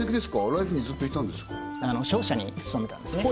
ライフにずっといたんですか商社に務めたんですね